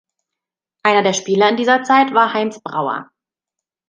Einer der Spieler in dieser Zeit war Heinz Brauer.